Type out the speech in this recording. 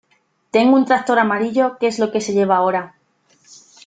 Tengo un tractor amarillo, que es lo que se lleva ahora.